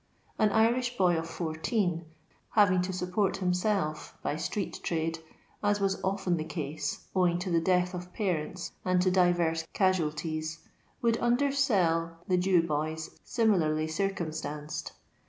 An Irish boy of fourteen, hftTiag to support himself by stree^trade, as was often the case, owing to the death of parents and to divers casualties, would undersell the Jew boys similariy circumstanced.